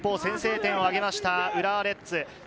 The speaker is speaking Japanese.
先制点を挙げました浦和レッズ。